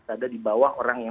ada di bawah orang yang